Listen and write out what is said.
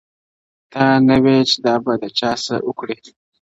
تا نۀ وې چې دا به د چا څۀ اوکـــړي